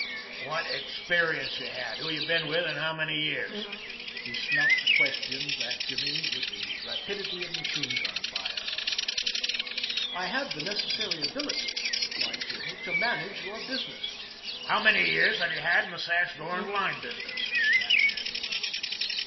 "What experience you had? Who you been with, and how many years?" He snapped the questions at Jimmy with the rapidity of machine gun fire. "I have the necessary ability," replied Jimmy, "to manage your business." "How many years have you had in the sash, door and blind business?" snapped Mr. Brown.